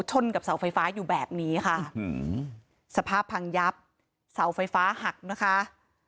ชนกับเสาไฟฟ้าอยู่แบบนี้ค่ะสภาพพังยับเสาไฟฟ้าหักนะคะ